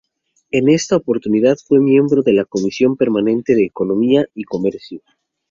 En esta oportunidad fue miembro de la comisión permanente de Economía y Comercio.